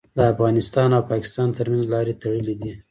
د افغانستان او پاکستان ترمنځ لارې تړلي دي.